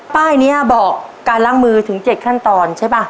ป้ายนี้บอกการล้างมือถึง๗ขั้นตอนใช่ป่ะ